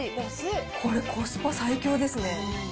これ、コスパ最強ですね。